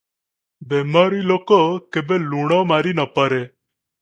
ବେମାରି ଲୋକ କେବେ ଲୁଣ ମାରି ନ ପାରେ ।